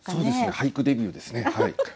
俳句デビューですねはい。